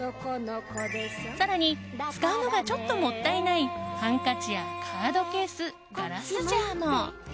更に、使うのがちょっともったいないハンカチやカードケースガラスジャーも。